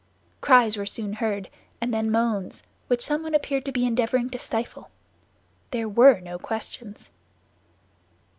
Cries were soon heard, and then moans, which someone appeared to be endeavoring to stifle. There were no questions.